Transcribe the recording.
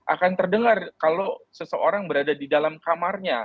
akan terdengar kalau seseorang berada di dalam kamarnya